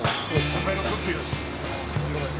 先輩の黒木です。